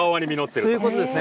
そういうことですね。